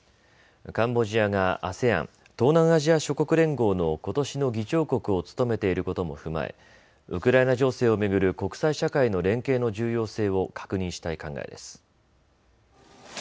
カンボジアがＡＳＥＡＮ・東南アジア諸国連合のことしの議長国を務めていることも踏まえウクライナ情勢を巡る国際社会の連携の重要性を確認したい考えです。